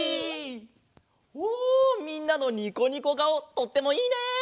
おみんなのにこにこがおとってもいいね！